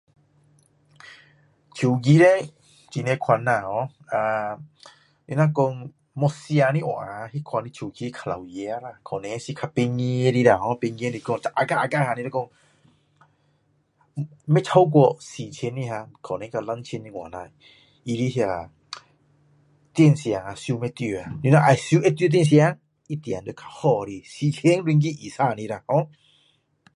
手机叻有很多种你如果线的话那种手机是比较老爷可能是比较便宜比较便宜 agak agak 不会超过四千的可能到两欠的话他的电线收不到的你收的到电线一定要要比较好的4000令吉以上的啦